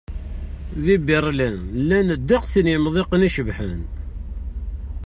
Di Berlin, llan ddeqs n yimeḍqan icebḥen.